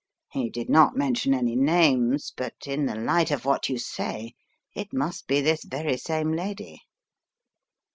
He did not mention any names, but in the light of what you say, it must be this very same lady.